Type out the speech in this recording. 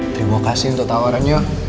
terima kasih untuk tawarannya